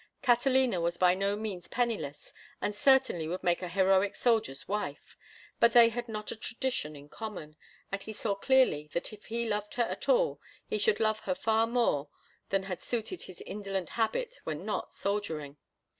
Catalina was by no means penniless, and certainly would make a heroic soldier's wife; but they had not a tradition in common, and he saw clearly that if he loved her at all he should love her far more than had suited his indolent habit when not soldiering.